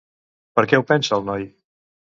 Per què ho pensa el noi?